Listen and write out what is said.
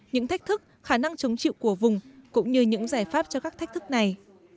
những thách thức khả năng chống chịu của vùng cũng như những giải pháp cho các thách thức này